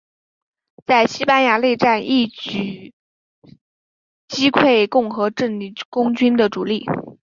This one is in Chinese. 在西班牙内战一举击溃共和政府空军主力。